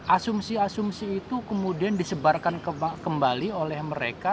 asumsi asumsi itu kemudian disebarkan kembali oleh mereka